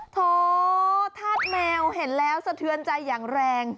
โถธาตุแมวเห็นแล้วสะเทือนใจอย่างแรง